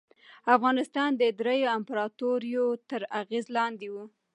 افغانستان د دریو امپراطوریو تر اغېز لاندې و.